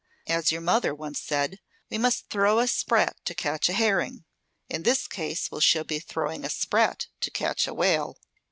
"As your mother once said, we must throw a sprat to catch a herring. In this case we shall be throwing a sprat to catch a whale!